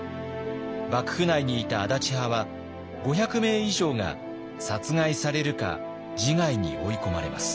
幕府内にいた安達派は５００名以上が殺害されるか自害に追い込まれます。